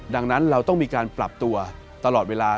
ดังนั้นเราต้องมีการปรับตัวตลอดเวลา